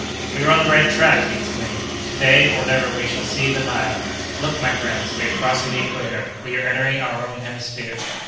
"We are on the right track!" he exclaimed. "To day or never we shall see the Nile! Look, my friends, we are crossing the equator! We are entering our own hemisphere!"